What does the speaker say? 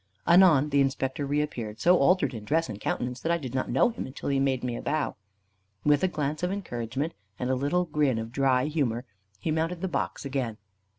Anon the inspector reappeared, so altered in dress and countenance, that I did not know him until he made me a bow. With a glance of encouragement, and a little grin of dry humour, he mounted the box again.